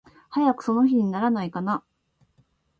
早くその日にならないかな。